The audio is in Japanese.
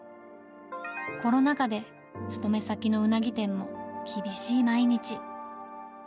コロナ禍で勤め先のうなぎ店も厳しい毎日。